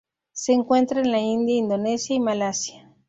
Se encuentra en la India, Indonesia y Malasia.